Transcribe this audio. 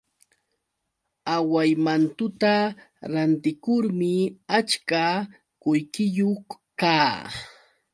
Awaymantuta rantikurmi achka qullqiyuq kaa.